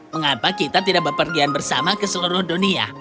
mengapa kita tidak berpergian bersama ke seluruh dunia